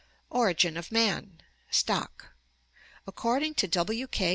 Origin of Man Stock. — According to W. K.